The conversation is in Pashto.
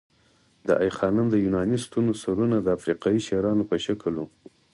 د آی خانم د یوناني ستونو سرونه د افریقايي شیرانو په شکل وو